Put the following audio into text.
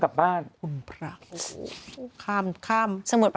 ลอดทะเลไป